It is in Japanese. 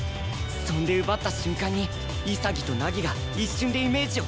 そんで奪った瞬間に潔と凪が一瞬でイメージを共有